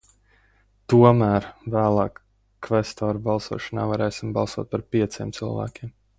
Tomēr, vēlāk kvestoru balsošanā varēsim balsot par pieciem cilvēkiem.